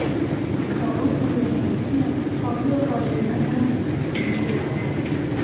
เขาลูบมืออย่างโหดเหี้ยมพร้อมด้วยรอยยิ้มอันน่าสะพรึงกลัว